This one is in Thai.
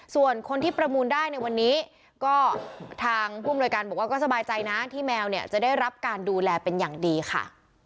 ส่วนคนที่ประมูลได้ในวันนี้ก็ทางผู้อำนวยการบอกว่าก็สบายใจนะที่แมวเนี่ยจะได้รับการดูแลเป็นอย่างดีค่ะ